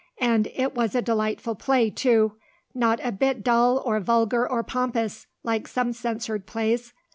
And it was a delightful play, too. Not a bit dull or vulgar or pompous, like some censored plays.